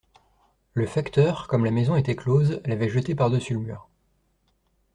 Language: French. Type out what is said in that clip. Le facteur, comme la maison était close, l'avait jeté par-dessus le mur.